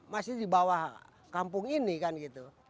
masih di bawah kampung ini kan gitu